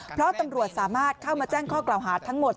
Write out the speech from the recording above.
เพราะตำรวจสามารถเข้ามาแจ้งข้อกล่าวหาทั้งหมด